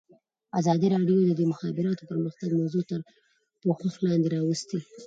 ازادي راډیو د د مخابراتو پرمختګ موضوع تر پوښښ لاندې راوستې.